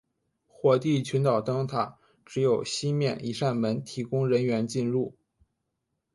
火地群岛灯塔只有西面一扇门提供人员进入。